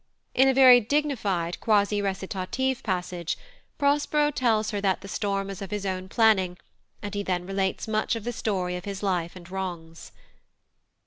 In a very dignified quasi recitative passage Prospero tells her that the storm is of his own planning, and he then relates much of the story of his life and wrongs.